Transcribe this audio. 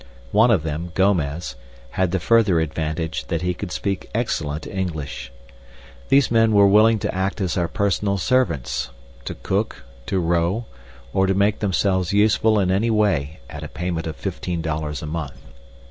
One of them, Gomez, had the further advantage that he could speak excellent English. These men were willing to act as our personal servants, to cook, to row, or to make themselves useful in any way at a payment of fifteen dollars a month.